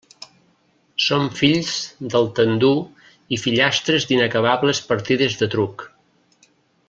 Som fills del tendur i fillastres d'inacabables partides de truc.